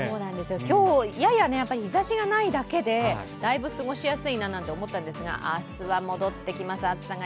今日、やや日ざしがないだけでだいぶ過ごしやすいと思ったんですが、明日は戻ってきます、暑さが。